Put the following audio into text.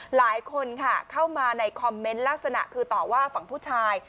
หลายคนค่ะเข้ามาในคอมเมนต์ลักษณะคือต่อว่าฝั่งผู้ชาย